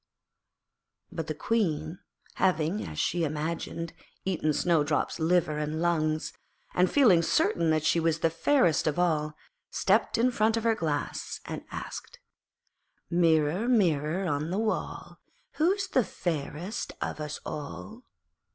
But the Queen, having, as she imagined, eaten Snowdrop's liver and lungs, and feeling certain that she was the fairest of all, stepped in front of her Glass, and asked 'Mirror, Mirror on the wall, Who is fairest of us all?'